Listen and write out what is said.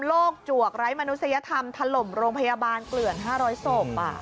จวกไร้มนุษยธรรมถล่มโรงพยาบาลเกลื่อน๕๐๐ศพ